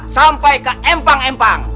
sampai ke empang empang